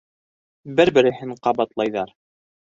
Бер- береһен ҡабатлайҙар.